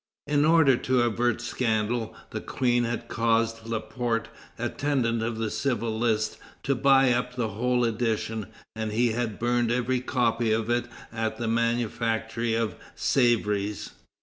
In order to avert scandal, the Queen had caused Laporte, intendant of the civil list, to buy up the whole edition, and he had burned every copy of it at the manufactory of Sèvres.